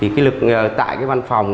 cái lực lượng ở văn phòng